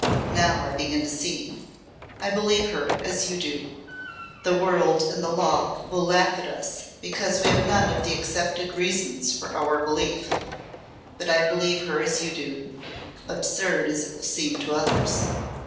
Now I begin to see. I believe her as you do. The world and the law will laugh at us because we have none of the accepted reasons for our belief. But I believe her as you do absurd as it will seem to others."